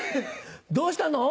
どうしたの？